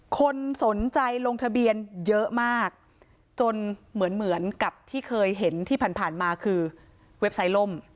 คนสนใจลงทะเบียนเยอะมากจนเหมือนเหมือนกับที่เคยเห็นที่ผ่านมาคือเว็บไซต์ล่ม